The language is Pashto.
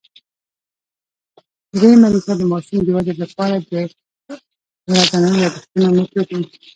درېیمه ریښه د ماشوم د ودې له پاره د ورځينو یادښتونو مېتود وو